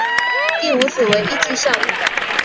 第五子为尹继善。